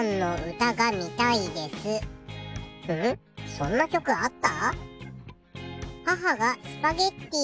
そんな曲あった？